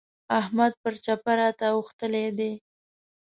احمد پر چپه راته اوښتلی دی.